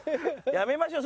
やめましょう。